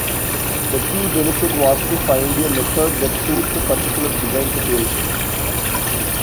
The key benefit was to find a method that suits a particular design situation.